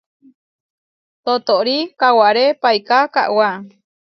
Totóri kaʼwaré paiká kaʼwá.